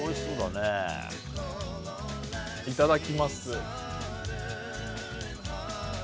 いただきます。